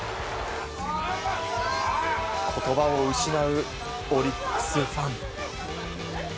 言葉を失うオリックスファン。